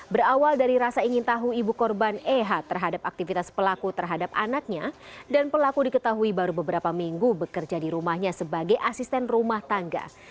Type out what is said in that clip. berawal dari rasa ingin tahu ibu korban eha terhadap aktivitas pelaku terhadap anaknya dan pelaku diketahui baru beberapa minggu bekerja di rumahnya sebagai asisten rumah tangga